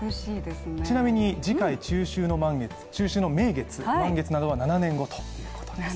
ちなみに、次回、中秋の名月、満月なのは７年後ということです。